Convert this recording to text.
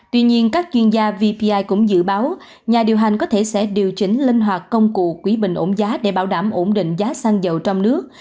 tuy nhiên các chuyên gia vpi cũng dự báo nhà điều hành có thể sẽ điều chỉnh linh hoạt công cụ quỹ bình ổn giá để bảo đảm ổn định giá xăng dầu trong nước